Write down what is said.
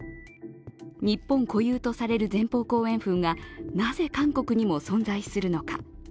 日本固有とされる前方後円墳がなぜ韓国にも存在するのか。